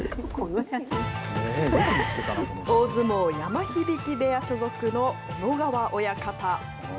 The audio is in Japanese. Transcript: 大相撲、山響部屋所属の小野川親方。